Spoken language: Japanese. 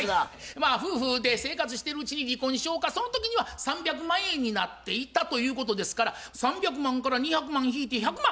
まあ夫婦で生活してるうちに離婚しようかその時には３００万円になっていたということですから３００万から２００万引いて１００万。